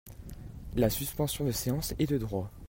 La suspension de séance est de droit.